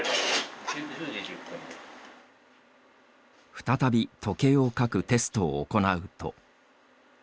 再び時計を描くテストを行うと。